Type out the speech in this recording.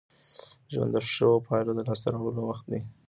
ژوند د ښو پايلو د لاسته راوړلو وخت دی.